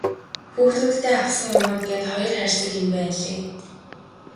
Хүүхдүүддээ авсан юмнууд гээд хоёр хайрцаг юм байнлээ.